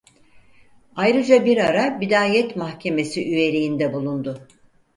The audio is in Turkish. Ayrıca bir ara Bidayet Mahkemesi Üyeliği'nde bulundu.